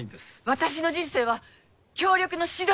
私の人生は協力のしど